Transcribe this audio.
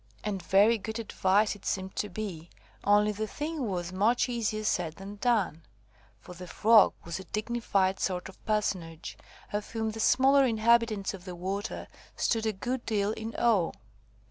And very good advice it seemed to be, only the thing was much easier said than done. For the Frog was a dignified sort of personage, of whom the smaller inhabitants of the water stood a good deal in awe.